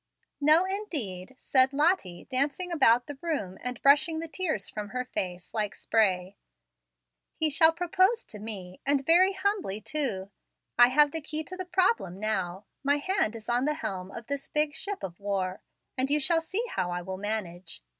"No, indeed," said Lottie, dancing about the room, and brushing the tears from her face, like spray. "He shall propose to me, and very humbly, too. I have the key to the problem, now. My hand is now on the helm of this big ship of war, and you shall see how I will manage.